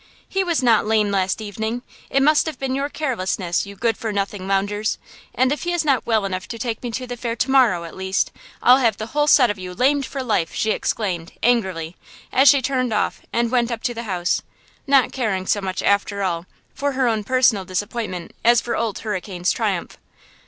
"He was not lame last evening. It must have been your carelessness, you good for nothing loungers; and if he is not well enough to take me to the fair to morrow, at least, I'll have the whole set of you lamed for life!" she exclaimed, angrily, as she turned off and went up to the house–not caring so much, after all, for her own personal disappointment as for Old Hurricane's triumph.